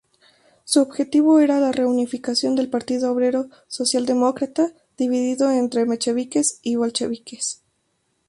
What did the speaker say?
Su objetivo era la reunificación del Partido Obrero Socialdemócrata, dividido entre mencheviques y bolcheviques.